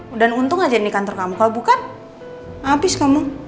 udah untung aja ini kantor kamu kalau bukan habis kamu